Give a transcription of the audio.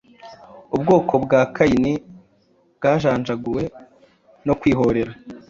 Ubwoko bwa Kayini bwajanjaguwe no kwihorera